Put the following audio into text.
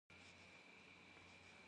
Yêxhulh'enığe vui'enu!